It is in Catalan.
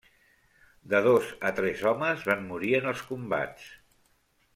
De dos a tres homes van morir en els combats.